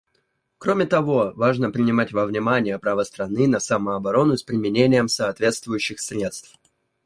Кроме того, важно принимать во внимание право страны на самооборону с применением соответствующих средств.